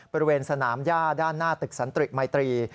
บริเวณสนามย่าด้านหน้าตึกสันติมัยตรี